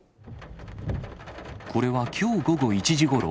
これはきょう午後１時ごろ、